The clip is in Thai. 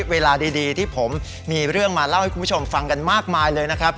เวลาดีที่ผมมีเรื่องมาเล่าให้คุณผู้ชมฟังกันมากมายเลยนะครับ